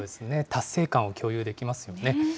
達成感を共有できますよね。